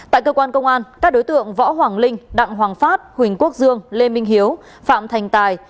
tại cơ quan công an các đối tượng võ hoàng linh đặng hoàng phát huỳnh quốc dương lê minh hiếu phạm thành tài